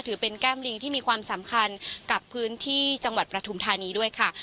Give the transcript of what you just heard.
ถือเป็นแก้มลิงที่มีความสำคัญกับพื้นที่จังหวัดประทุมธานีด้วยค่ะ